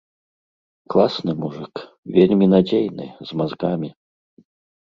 Класны мужык, вельмі надзейны, з мазгамі.